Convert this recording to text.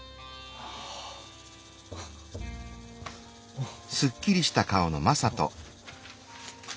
うん。